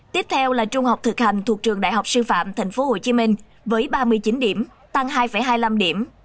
tiếp theo là trung học thực hành thuộc trường đại học sư phạm tp hcm với ba mươi chín điểm tăng hai hai mươi năm điểm